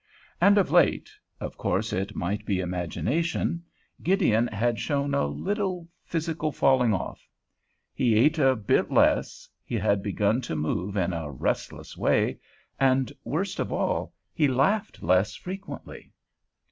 And of late—of course it might be imagination —Gideon had shown a little physical falling off. He ate a bit less, he had begun to move in a restless way, and, worst of all, he laughed less frequently.